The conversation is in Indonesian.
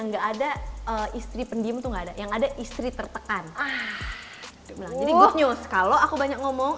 enggak ada istri pendiem tuh nggak ada yang ada istri tertekan ah jadi good news kalau aku banyak ngomong